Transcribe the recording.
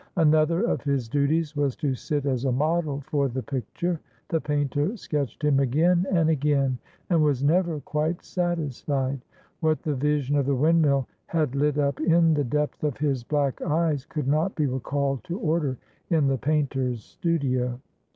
Another of his duties was to sit as a model for the picture. The painter sketched him again and again, and was never quite satisfied. What the vision of the windmill had lit up in the depth of his black eyes could not be recalled to order in the painter's studio.